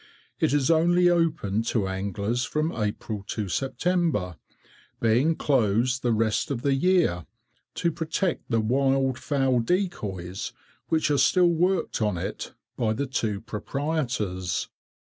It is only open to anglers from April to September, being closed the rest of the year, to protect the wild fowl decoys, which are still worked on it, by the two proprietors.